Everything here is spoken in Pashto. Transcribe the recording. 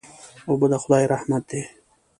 اوبه د خدای رحمت دی.